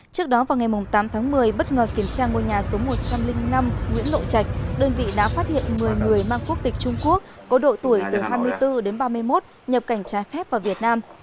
trước đó vào ngày tám tháng một mươi bất ngờ kiểm tra ngôi nhà số một trăm linh năm nguyễn lộ trạch đơn vị đã phát hiện một mươi người mang quốc tịch trung quốc có độ tuổi từ hai mươi bốn đến ba mươi một nhập cảnh trái phép vào việt nam